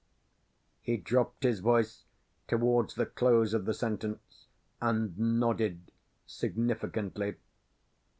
He dropped his voice towards the close of the sentence, and nodded significantly.